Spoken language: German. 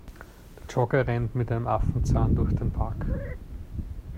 Der Jogger rennt mit einem Affenzahn durch den Park.